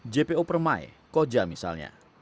jpo permai koja misalnya